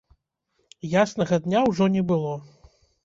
Яснага дня ўжо не было.